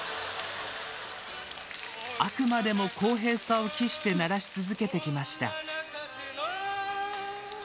あくまでも公平さを期して鳴らし続けてきました。